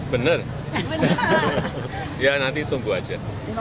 bener ya nanti tunggu aja